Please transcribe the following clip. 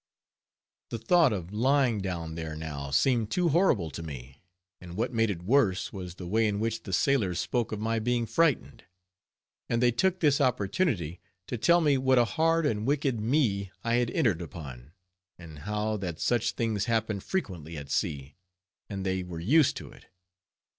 The thought of lying down there now, seemed too horrible to me, and what made it worse, was the way in which the sailors spoke of my being frightened. And they took this opportunity to tell me what a hard and wicked life I had entered upon, and how that such things happened frequently at sea, and they were used to it.